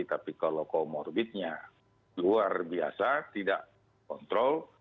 tapi kalau comorbidnya luar biasa tidak kontrol